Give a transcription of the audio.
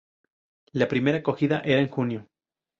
La primera cogida era en junio.